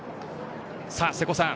瀬古さん